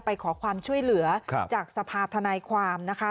ไปขอความช่วยเหลือจากสภาธนายความนะคะ